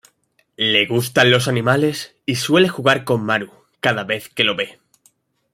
Le gustan los animales y suele jugar con Maru cada vez que lo ve.